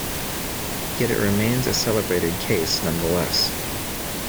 Yet it remains a celebrated case nonetheless.